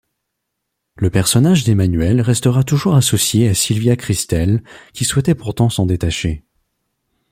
Le personnage d'Emmanuelle restera toujours associé à Sylvia Krystel qui souhaitait pourtant s'en détacher.